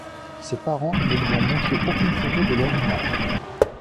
Ses parents ne lui ont montré aucune photo de Loruna.